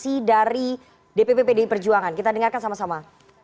versi dari dpp pdi perjuangan kita dengarkan sama sama